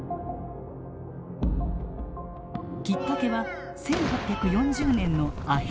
きっかけは１８４０年のアヘン戦争。